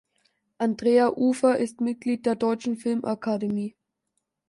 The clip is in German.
Andrea Ufer ist Mitglied der Deutschen Filmakademie.